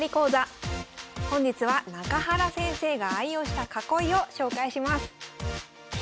本日は中原先生が愛用した囲いを紹介します